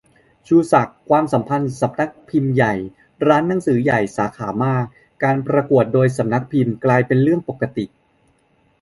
ชูศักดิ์ : ความสัมพันธ์ สนพ.ใหญ่-ร้านหนังสือใหญ่มากสาขา-การประกวดโดยสนพ กลายเป็นเรื่องปกติ